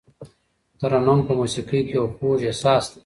ترنم په موسیقۍ کې یو خوږ احساس دی.